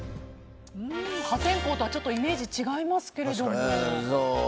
破天荒とはイメージ違いますけれども。